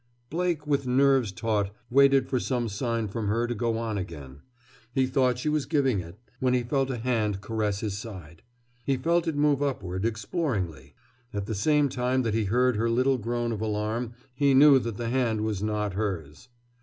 Blake, with nerves taut, waited for some sign from her to go on again. He thought she was giving it, when he felt a hand caress his side. He felt it move upward, exploringly. At the same time that he heard her little groan of alarm he knew that the hand was not hers.